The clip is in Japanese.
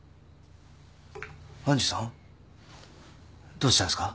どうしたんですか？